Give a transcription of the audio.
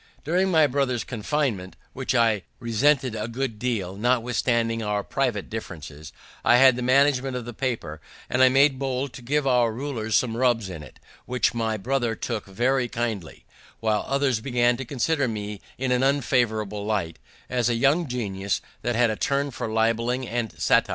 During my brother's confinement, which I resented a good deal, notwithstanding our private differences, I had the management of the paper; and I made bold to give our rulers some rubs in it, which my brother took very kindly, while others began to consider me in an unfavorable light, as a young genius that had a turn for libeling and satyr.